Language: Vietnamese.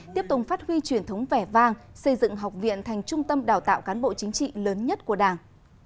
tiếp tục phát huy truyền thống vẻ vang xây dựng học viện thành trung tâm đào tạo cán bộ chính trị lớn nhất của đảng